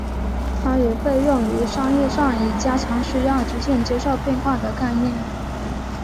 它也被用于商业上以加强需要逐渐接受变化的观念。